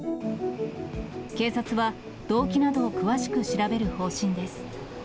警察は、動機などを詳しく調べる方針です。